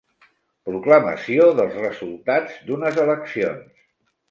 Proclamació dels resultats d'unes eleccions.